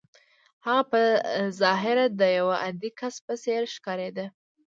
هغه په ظاهره د يوه عادي کس په څېر ښکارېده.